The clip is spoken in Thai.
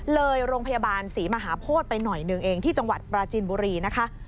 เลยโรงพยาบาลศรีมหาโพธิไปหน่อยหนึ่งเองที่จังหวัดปราจินบุรีนะคะ